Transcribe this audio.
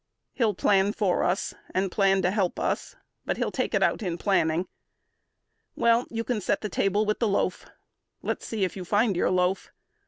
He'll plan for us and plan To help us, but he'll take it out in planning. Well, you can set the table with the loaf. Let's see you find your loaf.